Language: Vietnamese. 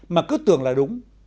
mà cứ tưởng là đúng